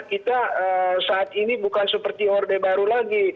kita saat ini bukan seperti orde baru lagi